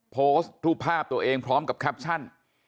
โพสต์รูปภาพตัวเองพร้อมกับแคปชั่น